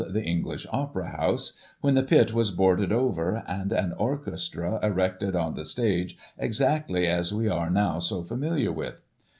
The English Opera House, when the pit was boarded over, and an orchestra erected on the stage exactly as we are now so familiar with.